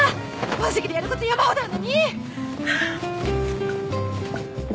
満席でやること山ほどあるのに！